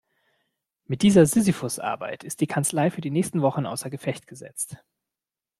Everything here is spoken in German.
Mit dieser Sisyphusarbeit ist die Kanzlei für die nächsten Wochen außer Gefecht gesetzt.